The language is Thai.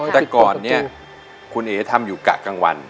แต่ก่อนเนี่ยคุณเอ๋ทำอยู่กะกลางวัน